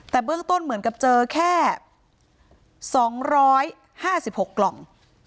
แต่เบื้องต้นเหมือนกับเจอแค่๒๕๖กล่อง